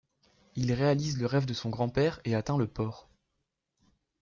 Il réalise le rêve de son grand-père et atteint le port.